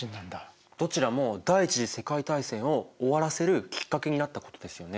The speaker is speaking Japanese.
どちらも第一次世界大戦を終わらせるきっかけになったことですよね。